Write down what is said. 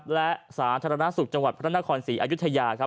และสาธารณสุขจังหวัดพระนครศรีอายุทยาครับ